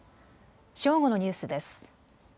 正午のニュースです。